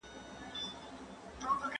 چې له توپان نه روسته